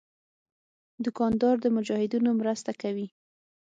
دوکاندار د مجاهدینو مرسته کوي.